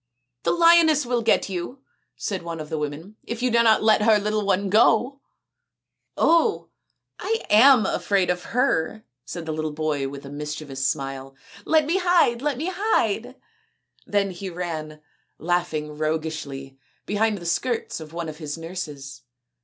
" The lioness will get you," said one of the women, " if you do not let her little one go !"" Oh, I am afraid of her," said the boy with a mischievous smile. " Let me hide ; let me hide." Then he ran, laughing roguishly, behind the skirts of one of his nurses.